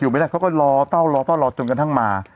ไม่ได้ข้อก็รอเต้าจนก่อนท่างมา